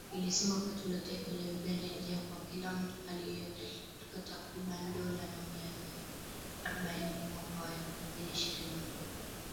Ilisema pato la taifa la Uganda (GNI) kwa kila mtu lilifikia takriban dola mia nane arobaini mwaka wa elfu mbili ishirini na moja